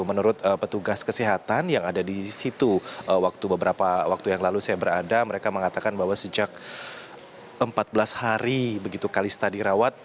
menurut petugas kesehatan yang ada di situ beberapa waktu yang lalu saya berada mereka mengatakan bahwa sejak empat belas hari begitu kalista dirawat